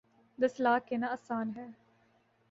دس لاکھ کہنا آسان ہے۔